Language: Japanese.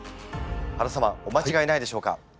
原様お間違えないでしょうか？